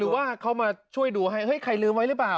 ว่าเขามาช่วยดูให้เฮ้ยใครลืมไว้หรือเปล่า